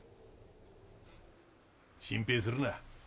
心配するな。